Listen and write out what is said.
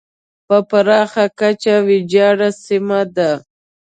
په پراخه کچه ویجاړه سیمه ده.